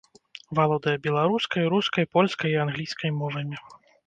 Валодае беларускай, рускай, польскай і англійскай мовамі.